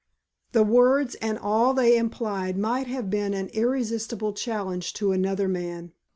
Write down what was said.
The words and all they implied might have been an irresistible challenge to another man.